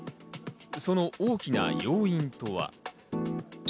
その大きな要因とは。